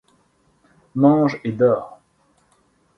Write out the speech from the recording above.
Mange et dors.